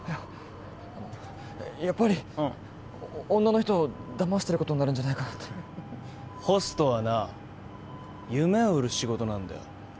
あのやっぱりうん女の人をだましてることになるんじゃないかなってホストはな夢を売る仕事なんだよ